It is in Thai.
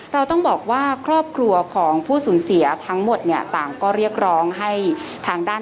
เราต้องบอกว่าครอบครัวของผู้สูญเสียทั้งหมดเนี่ยต่างก็เรียกร้องให้ทางด้าน